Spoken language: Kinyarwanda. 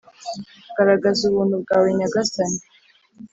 garagaza ubuntu bwawe nyagasani